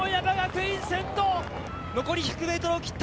残り１００メートルを切った。